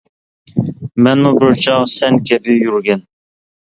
مەنمۇ بىر چاغ سەن كەبى يۈرگەن.